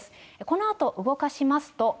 このあと、動かしますと。